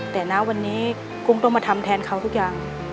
แต่นะวันนี้กุ้งต้องมาทำแทนเขาทุกอย่าง